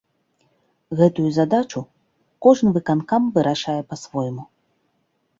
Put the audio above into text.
Гэтую задачу кожны выканкам вырашае па-свойму.